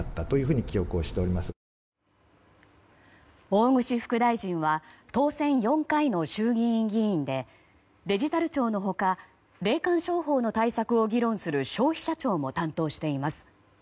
大串副大臣は当選４回の衆議院議員でデジタル庁の他霊感商法の対策を議論する消費者庁も担当しています。